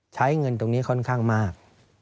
ใช้เงินตรงนี้ค่อนข้างมาก